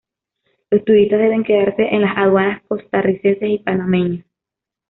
Los turistas deben quedarse en las aduanas costarricense y panameña.